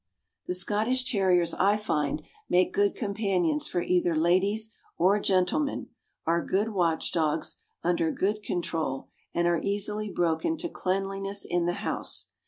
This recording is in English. The Scottish Terriers, I find, make good companions for either ladies or gentlemen; are good watch dogs, under good control, and are easily broken to cleanliness in the house.